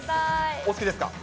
お好きですか？